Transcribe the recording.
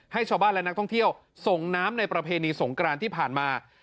ให้ชาวบ้านและนักท่องเที่ยวส่งน้ำในประเพณีสงกรานที่ผ่านมา